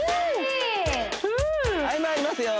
はいまいりますよ